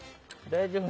大丈夫？